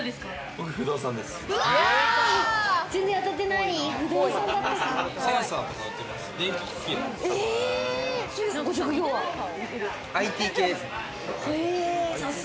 僕、不動産です。